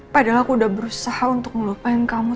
padahal aku udah berusaha untuk melupain kamu